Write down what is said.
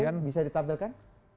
oke bisa ditampilkan